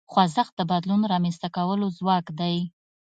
خوځښت د بدلون رامنځته کولو ځواک دی.